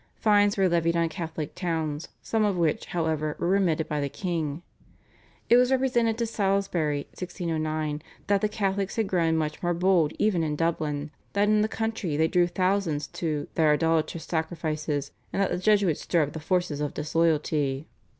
Fines were levied on Catholic towns, some of which, however, were remitted by the king. It was represented to Salisbury (1609) that the Catholics had grown much more bold even in Dublin, that in the country they drew thousands to "their idolatrous sacrifices, and that the Jesuits stir up the forces of disloyalty."